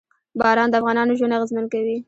باران د افغانانو ژوند اغېزمن کوي.